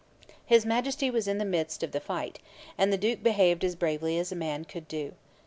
His Majesty was in the midst of the fight; and the duke behaved as bravely as a man could do.